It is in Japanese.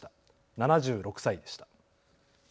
７６歳でした。